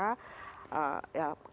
yang membuat mereka